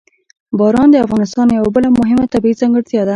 باران د افغانستان یوه بله مهمه طبیعي ځانګړتیا ده.